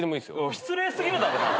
失礼過ぎるだろ！